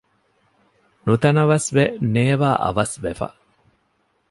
ނުތަނަވަސްވެ ނޭވާއަވަސް ވެފަ